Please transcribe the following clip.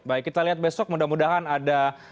baik kita lihat besok mudah mudahan ada